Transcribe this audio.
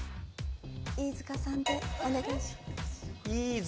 飯塚さんでお願いします飯塚？